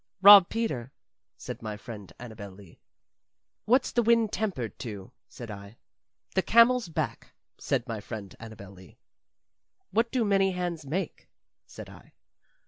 "Rob Peter," said my friend Annabel Lee. "What's the wind tempered to?" said I. "The camel's back," said my friend Annabel Lee. "What do many hands make?" said I.